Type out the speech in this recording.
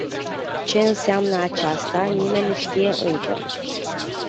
Ce înseamnă aceasta, nimeni nu știe încă.